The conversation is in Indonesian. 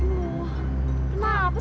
kok kesini sih mas